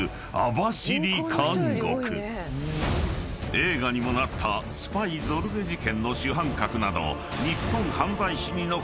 ［映画にもなったスパイゾルゲ事件の主犯格など］